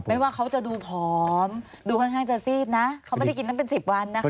ไม่ว่าเขาจะดูผอมดูค่อนข้างจะซีดนะเขาไม่ได้กินนั้นเป็น๑๐วันนะคะ